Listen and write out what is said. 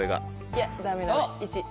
いやダメダメ１位。